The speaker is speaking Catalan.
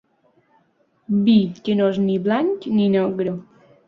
Vi que no és ni blanc ni negre.